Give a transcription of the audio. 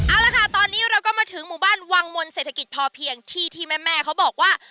เอาละค่ะตอนนี้เราก็มาถึงหมู่บ้านวังมนเศรษฐกิจพอเพียงที่ที่แม่เขาบอกว่า